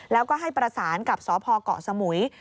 แล้วก็ให้ประสานกับสพเกาะสมุย